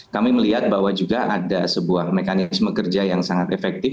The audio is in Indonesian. kami melihat bahwa juga ada sebuah mekanisme kerja yang sangat efektif